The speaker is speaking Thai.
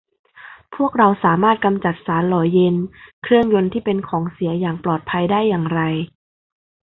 พวกเราสามารถกำจัดสารหล่อเย็นเครื่องยนต์ที่เป็นของเสียอย่างปลอดภัยได้อย่างไร